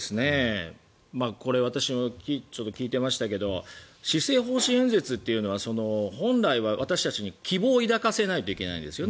これ私も聞いてましたけど施政方針演説というのは本来は私たちに希望を抱かせないといけないですよね